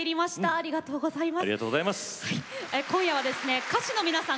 ありがとうございます。